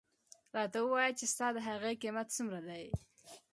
راته ووایه چې ستا د هغې قیمت څومره دی.